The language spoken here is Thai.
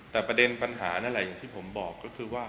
แต่ประเด็นปัญหานั่นแหละอย่างที่ผมบอกก็คือว่า